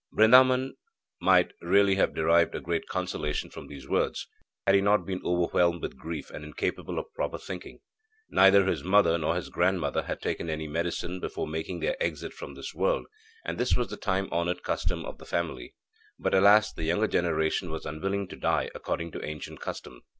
Brindaban might really have derived a great consolation from these words, had he not been overwhelmed with grief and incapable of proper thinking. Neither his mother nor his grandmother had taken any medicine before making their exit from this world, and this was the time honoured custom of the family. But, alas, the younger generation was unwilling to die according to ancient custom.